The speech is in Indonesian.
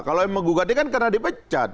kalau yang menggugatnya kan karena dipecat